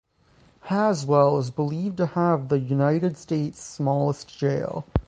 Haswell is believed to have the United States' smallest jail.